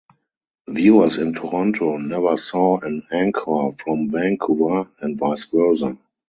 Viewers in Toronto never saw an anchor from Vancouver, and vice versa.